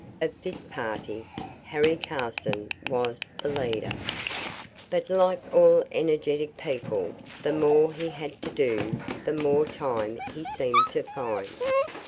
Of this party Harry Carson was the leader. But like all energetic people, the more he had to do the more time he seemed to find.